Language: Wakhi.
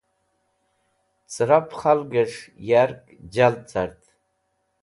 Cẽrap khalgẽs̃h yark jald cart.